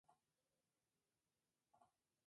El mejor amigo de Jeremy.